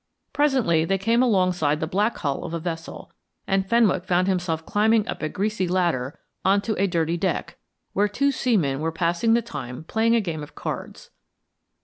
Presently they came alongside the black hull of a vessel, and Fenwick found himself climbing up a greasy ladder on to a dirty deck, where two seamen were passing the time playing a game of cards.